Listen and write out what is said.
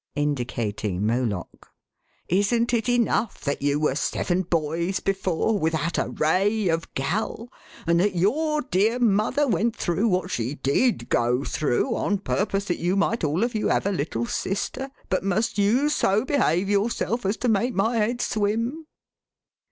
indicating Moloch; " isn't it enough that you were seven boys before, without a 452 THE HAUNTED MAN. ray of gal, and that your dear mother went through what she did go through, on purpose that you might all of you have a little sister, but must you so behave yourself as to make my head swim